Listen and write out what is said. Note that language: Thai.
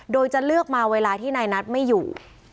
โดยจะเลือกมาเวลาที่นายนัทไม่อยู่